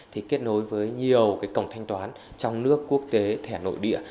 thì kết nối với nhiều cái cổng thanh toán trong nước quốc tế thẻ nội địa